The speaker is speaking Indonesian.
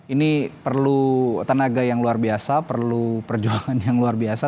ini perlu tenaga yang luar biasa perlu perjuangan yang luar biasa